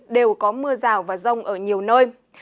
đều có mưa rào và rông ở nhiều nơi